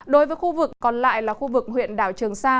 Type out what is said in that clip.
đối với khu vực còn lại là khu vực huyện đảo trường sa